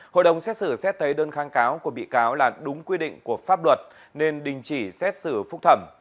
hội đồng xét xử xét thấy đơn kháng cáo của bị cáo là đúng quy định của pháp luật nên đình chỉ xét xử phúc thẩm